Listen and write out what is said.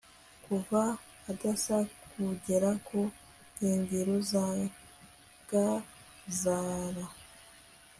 kuva adasa kugera ku nkengero za gazara